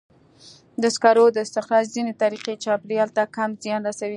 د سکرو د استخراج ځینې طریقې چاپېریال ته کم زیان رسوي.